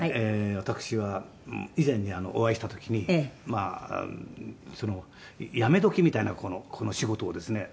私は以前にお会いした時に辞め時みたいなこの仕事をですね